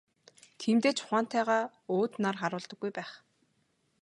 Тиймдээ ч ухаантайгаа өөд нар харуулдаггүй байх.